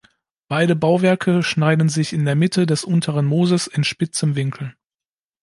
Beide Bauwerke schneiden sich in der Mitte des unteren Mooses in spitzem Winkel.